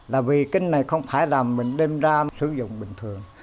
là vì kinh này không phải là mình đem ra sử dụng bình thường